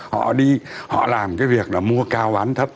họ đi họ làm cái việc là mua cao bán thấp